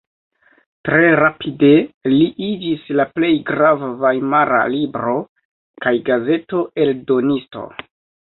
Tre rapide li iĝis la plej grava vajmara libro- kaj gazeto-eldonisto.